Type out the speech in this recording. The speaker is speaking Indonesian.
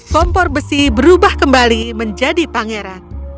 kompor besi berubah kembali menjadi pangeran